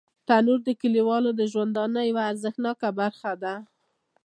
تنور د کلیوالو ژوندانه یوه ارزښتناکه برخه ده